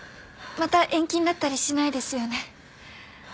また延期になったりしないですよね？